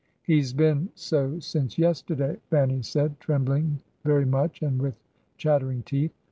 'He's been so since yesterday,' Fanny said, trembling very much and with chattering teeth.